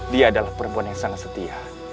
dia adalah perempuan yang sangat setia